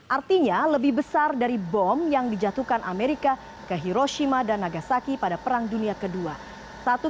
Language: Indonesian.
artinya lebih besar dari bom yang dijatuhkan amerika ke hiroshima dan nagasaki pada perang dunia ii